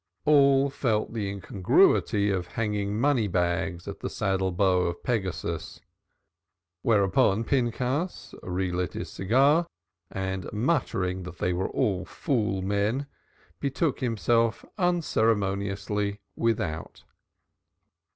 All felt the incongruity of hanging money bags at the saddle bow of Pegasus. Whereupon Pinchas re lit his cigar and muttering that they were all fool men betook himself unceremoniously without.